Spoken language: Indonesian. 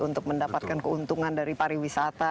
untuk mendapatkan keuntungan dari pariwisata